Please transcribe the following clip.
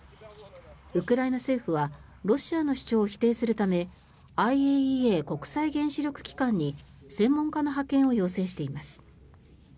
ウクライナ政府はロシアの主張を否定するためＩＡＥＡ・国際原子力機関に専門家の派遣を要請しています。